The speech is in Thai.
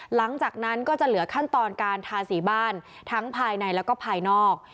หลังจากนั้นก็จะเหลือขั้นตอนการทาสีบ้านทั้งภายในแล้วก็ภายนอก